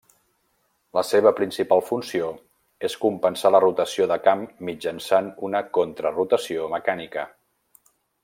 La seva principal funció és compensar la rotació de camp mitjançant una contra-rotació mecànica.